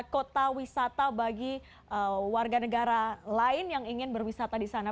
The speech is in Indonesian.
kota wisata bagi warga negara lain yang ingin berwisata di sana